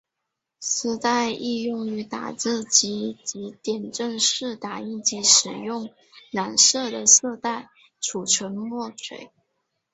丝带亦于打字机及点阵式打印机使用染色的色带储存墨水。